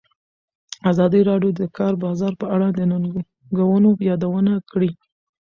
ازادي راډیو د د کار بازار په اړه د ننګونو یادونه کړې.